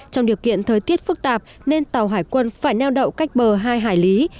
trong điều kiện thời tiết phức tạp nên tàu hải quân phải neo đậu cách bờ hai hải lý